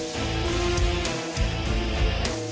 สวัสดีครับ